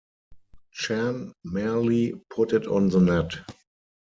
Chan merely put it on the net.